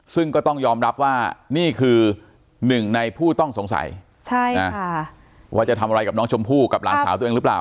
ซึ่งก็ต้องยอมรับว่านี่คือหนึ่งในผู้ต้องสงสัยว่าจะทำอะไรกับน้องชมพู่กับหลานสาวตัวเองหรือเปล่า